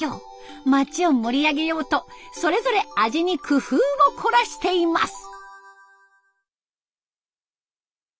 町を盛り上げようとそれぞれ味に工夫を凝らしています。